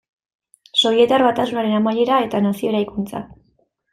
Sobietar Batasunaren amaiera eta nazio eraikuntza.